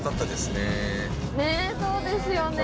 ねえそうですよね。